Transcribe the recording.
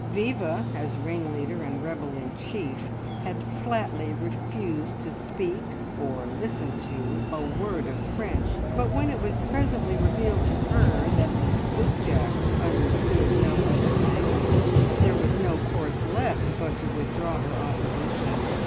Viva, as ringleader and rebel in chief, had flatly refused to speak, or listen to, a word of French, but when it was presently revealed to her that the Spoopjacks understood no other language, there was no course left but to withdraw her opposition.